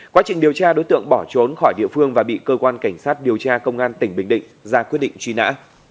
quá trình điều tra đối tượng bỏ trốn khỏi địa phương và bị cơ quan cảnh sát điều tra công an tỉnh bình định ra quyết định truy nã